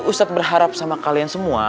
ustadz berharap sama kalian semua